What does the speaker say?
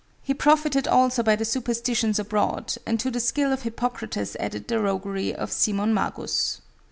He profited also by the superstitions abroad, and to the skill of Hippocrates added the roguery of Simon Magus.